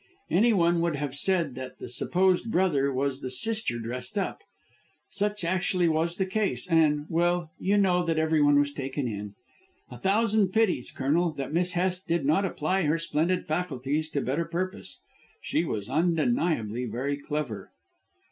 Anyone would have said that the supposed brother was the sister dressed up. Such actually was the case, and well, you know that everyone was taken in. A thousand pities, Colonel, that Miss Hest did not apply her splendid faculties to better purpose. She was undeniably very clever."